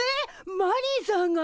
マリーさんが？